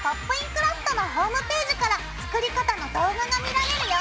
クラフト」のホームページから作り方の動画が見られるよ。